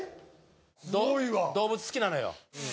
動物好きなのよ。